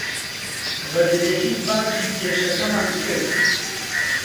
بەدرێژی باسی کێشەکەمان کرد.